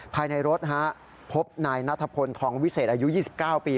ภายในรถพบนายนัทพลทองวิเศษอายุ๒๙ปี